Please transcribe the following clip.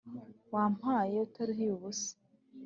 wampaye utaruhiye ubusa”